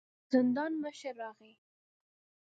د زندان مشر راغی.